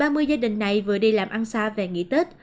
ba mươi gia đình này vừa đi làm ăn xa về nghỉ tết